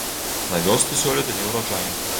На вёсцы сёлета неўраджай.